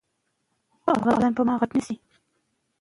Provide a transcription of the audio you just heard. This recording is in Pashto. لوستې نجونې د ټولنې باورمنه فضا پالي.